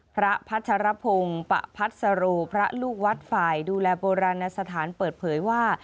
พระพัชรพงศ์ปะพัสโรพระลูกวัดฝ่ายดูแลโบราณสถานเปิดเผยว่า